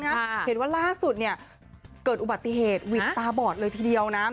เห็นว่าล่าสุดเนี่ยเกิดอุบัติเหตุหวิดตาบอดเลยทีเดียวนะ